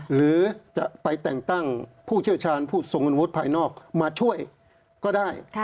หรือจะไปแต่งตั้งผู้เชี่ยวชาญผู้ทรงคุณวุฒิภายนอกมาช่วยก็ได้